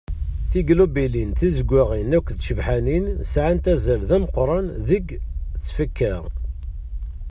Tiglubulin tizeggaɣin akked tcebḥanin sɛant azal d ameqqran deg tfekka.